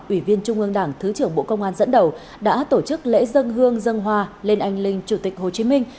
ủy viên trung ương đảng thứ trưởng bộ công an dẫn đầu đã tổ chức lễ dân hương dân hoa lên anh linh chủ tịch hồ chí minh